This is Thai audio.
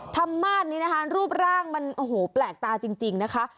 ธรรมมาสนี้นะคะรูปร่างมันโอ้โหแปลกตาจริงนะคะ